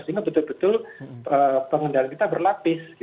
sehingga betul betul pengendalian kita berlapis